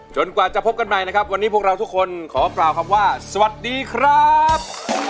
กว่าจะพบกันใหม่นะครับวันนี้พวกเราทุกคนขอกล่าวคำว่าสวัสดีครับ